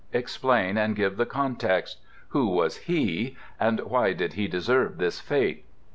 Explain, and give the context. Who was "he," and why did he deserve this fate?